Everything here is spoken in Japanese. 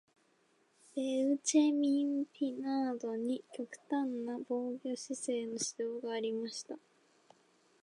ベウチェミン・ピナードに極端な防御姿勢の指導がありました。